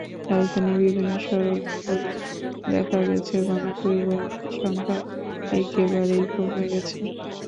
রাজধানীর বিভিন্ন সড়ক ঘুরে দেখা গেছে, গণপরিবহনের সংখ্যা একে বারেই কমে গেছে।